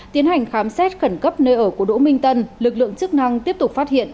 tiến hành khám xét khẩn cấp nơi ở của đỗ minh tân lực lượng chức năng tiếp tục phát hiện